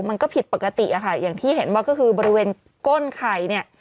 มันก็ผิดปกติอะค่ะอย่างที่เห็นว่าก็คือบริเวณก้นไข่เนี่ย